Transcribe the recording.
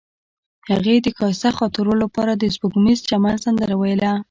هغې د ښایسته خاطرو لپاره د سپوږمیز چمن سندره ویله.